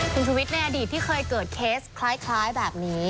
คุณชุวิตในอดีตที่เคยเกิดเคสคล้ายแบบนี้